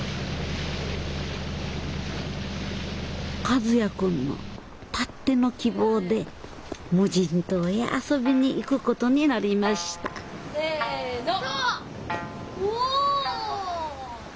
和也君のたっての希望で無人島へ遊びにいくことになりましたせの！